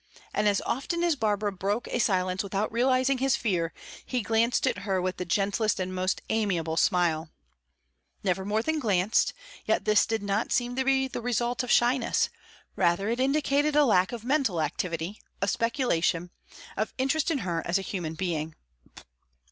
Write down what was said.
and as often as Barbara broke a silence without realizing his fear, he glanced at her with the gentlest and most amiable smile. Never more than glanced; yet this did not seem to be the result of shyness; rather it indicated a lack of mental activity, of speculation, of interest in her as a human being.